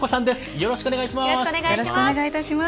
よろしくお願いします。